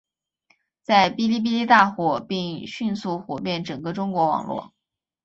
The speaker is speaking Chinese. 在哔哩哔哩大火并迅速火遍整个中国网络。